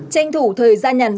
tranh thủ thời gian nhàn rỗi